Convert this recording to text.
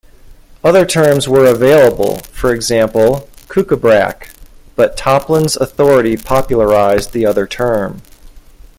Other terms were available, for example, "Kukabrak", but Taplin's authority popularized the other term.